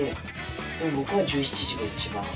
でも僕は１７時が一番。